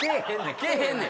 来えへんねん。